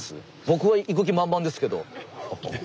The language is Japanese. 僕は行く気満々ですけど。